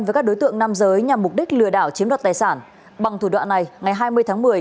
với các đối tượng nam giới nhằm mục đích lừa đảo chiếm đoạt tài sản bằng thủ đoạn này ngày hai mươi tháng một mươi